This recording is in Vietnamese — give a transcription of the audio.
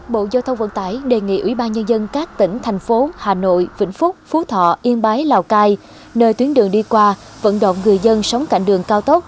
bộ giao thông vận tải đề nghị ủy ban nhân dân các tỉnh thành phố hà nội vĩnh phúc phú thọ yên bái lào cai nơi tuyến đường đi qua vận động người dân sống cạnh đường cao tốc